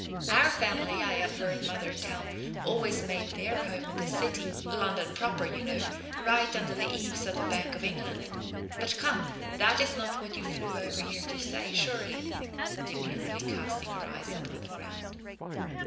Our family, I have heard mother tell, always made their home in the city London proper, you know, right under the eaves of the Bank of England. But come, that is not what you flew over here to say, surely," demurely casting her eyes upon the ground.